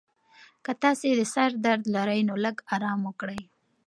که تاسي د سر درد لرئ، نو لږ ارام وکړئ.